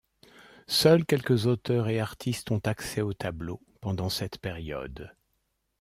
Seuls quelques auteurs et artistes ont accès au tableau pendant cette période.